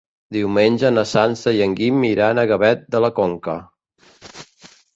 Diumenge na Sança i en Guim iran a Gavet de la Conca.